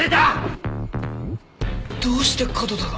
どうして門田が。